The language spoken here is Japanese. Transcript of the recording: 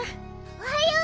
おはよう。